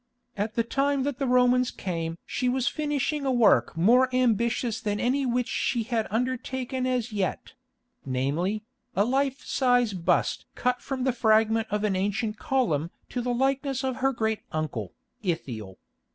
At the time that the Romans came she was finishing a work more ambitious than any which she had undertaken as yet; namely, a life sized bust cut from the fragment of an ancient column to the likeness of her great uncle, Ithiel.